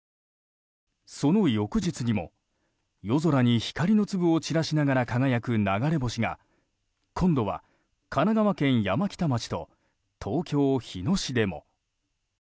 その翌日にも、夜空に光の粒を散らしながら輝く流れ星が今度は神奈川県山北町と東京・日野市でも。